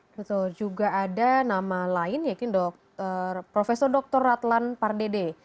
betul juga ada nama lain yakin profesor doktor ratlan pardede